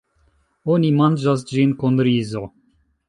Oni manĝas ĝin kun rizo.